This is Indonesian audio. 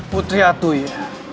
putri atu ya